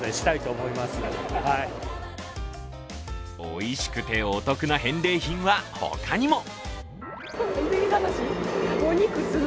おいしくて、お得な返礼品はほかにも。